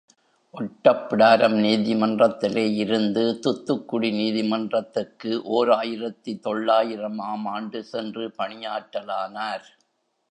ஒட்டப்பிடாரம் நீதிமன்றத்திலே இருந்து துத்துக்குடி நீதிமன்றத்துக்கு ஓர் ஆயிரத்து தொள்ளாயிரம் ஆம் ஆண்டு சென்று பணியாற்றலானார்.